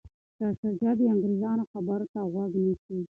شاه شجاع د انګریزانو خبرو ته غوږ نیسي.